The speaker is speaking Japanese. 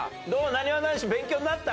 なにわ男子勉強になった？